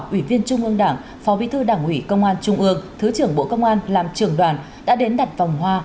ủy viên trung ương đảng phó bí thư đảng ủy công an trung ương thứ trưởng bộ công an làm trưởng đoàn đã đến đặt vòng hoa